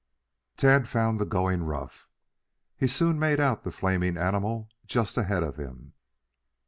Tad found the going rough. He soon made out the flaming animal just ahead of him.